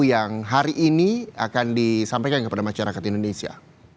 yang hari ini akan disampaikan kepada masyarakat indonesia